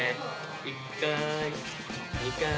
１回２回。